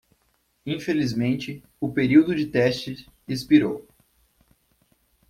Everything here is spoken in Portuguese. Infelizmente, o período de teste expirou.